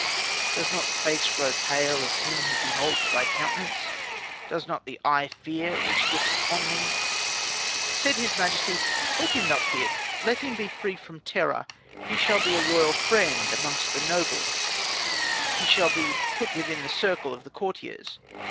Does not the face grow pale, of him who beholds thy countenance; Does not the eye fear, which looks upon thee." Said his majesty, "Let him not fear, let him be freed from terror. He shall be a Royal Friend amongst the nobles; he shall be put within the circle of the courtiers.